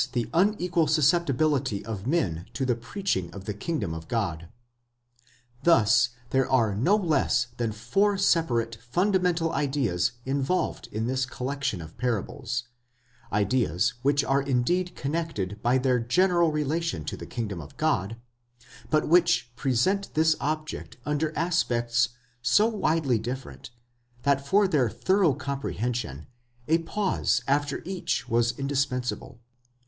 the unequal susceptibility of men to the preaching of the kingdom of God. Thus there are no less than four separate fundamental ideas involved in this collection of parables—ideas which are indeed connected by their general relation to the kingdom of God, but which present this object under aspects so widely different, that for their thorough comprehension a pause after each was indispensable.